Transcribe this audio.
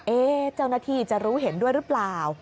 เจ้าหน้าที่จะรู้เห็นด้วยหรือเปล่า